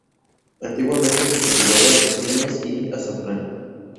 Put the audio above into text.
Antiguamente se cultivaban viñas y azafrán.